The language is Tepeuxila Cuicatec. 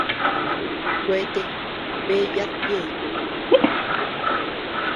Kuete bea yadyéko.